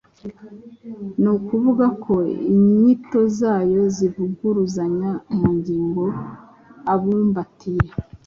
Ni ukuvuga ko inyito zayo zivuguruzanya mu ngingo abumbatiye.